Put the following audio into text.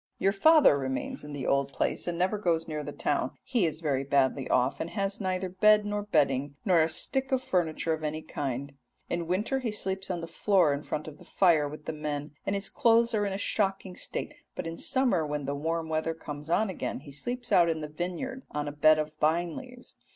Your father remains in the old place, and never goes near the town; he is very badly off, and has neither bed nor bedding, nor a stick of furniture of any kind. In winter he sleeps on the floor in front of the fire with the men, and his clothes are in a shocking state, but in summer, when the warm weather comes on again, he sleeps out in the vineyard on a bed of vine leaves.